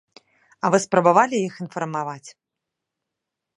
А вы спрабавалі іх інфармаваць?